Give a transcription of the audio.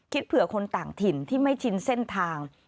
เผื่อคนต่างถิ่นที่ไม่ชินเส้นทาง